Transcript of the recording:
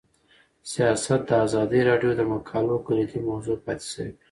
سیاست د ازادي راډیو د مقالو کلیدي موضوع پاتې شوی.